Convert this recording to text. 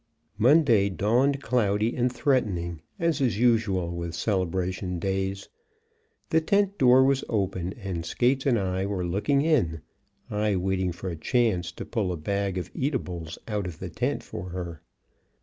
Monday dawned cloudy and threatening, as is usual with celebration days. The tent door was open, and Skates and I were looking in, I waiting for a chance to pull a bag of eatables out of the tent for her.